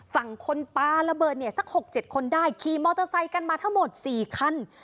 ฝั่งคนปลาระเบิดเนี่ยสัก๖๗คนได้ขี่มอเตอร์ไซค์กันมาทั้งหมด๔คัน